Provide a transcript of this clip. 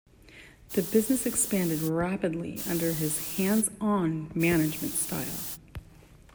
The business expanded rapidly under his hands-on management style.